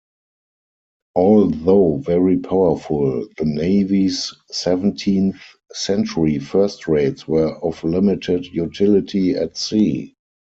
Although very powerful, the Navy's seventeenth century first-rates were of limited utility at sea.